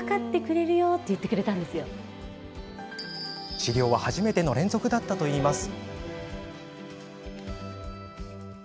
治療は初めての連続だったといいます。